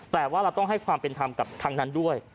แต่ว่าเราต้องให้ความเป็นธรรมกับทางนั้นด้วย